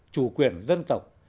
chủ quyền dân tộc